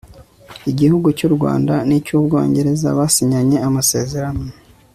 igihugu cy'u rwanda n'icy'ubwongereza byasinyanye amasezerano